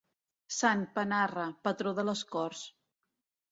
Sant Panarra, patró de les Corts.